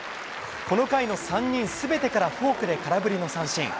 この回の３人すべてからフォークで空振りの三振。